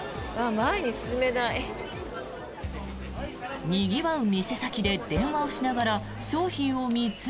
前に進めない。